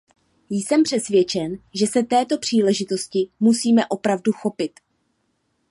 Jsem přesvědčen, že se této příležitosti musíte opravdu chopit.